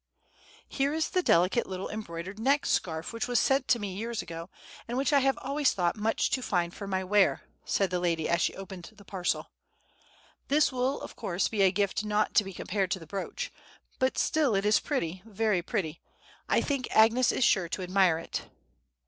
"Here is the delicate little embroidered neck scarf which was sent to me years ago, and which I have always thought much too fine for my wear," said the lady, as she opened the parcel. "This will of course be a gift not to be compared to the brooch; but still it is pretty, very pretty; I think that Agnes is sure to admire it."